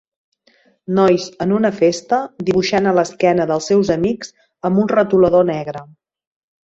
Nois en una festa dibuixant a l'esquena dels seus amics amb un retolador negre.